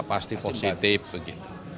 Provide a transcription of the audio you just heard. pasti positif begitu